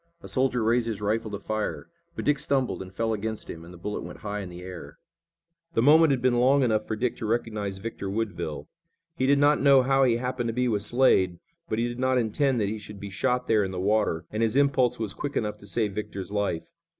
A soldier raised his rifle to fire, but Dick stumbled and fell against him and the bullet went high in the air. The moment had been long enough for Dick to recognize Victor Woodville. He did not know how he happened to be with Slade, but he did not intend that he should be shot there in the water, and his impulse was quick enough to save Victor's life.